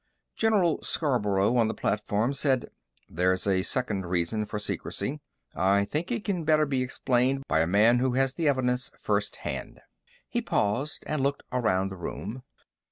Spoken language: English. General Scarborough, on the platform, said, "There's a second reason for secrecy. I think it can better be explained by a man who has the evidence first hand." He paused and looked around the room.